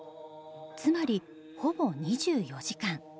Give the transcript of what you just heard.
つまり、ほぼ２４時間。